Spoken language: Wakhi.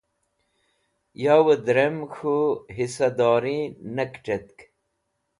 Yavẽ drem k̃hũ hisadori ne kẽt̃tk.